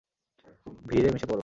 ভিড়ে মিশে পড়ো।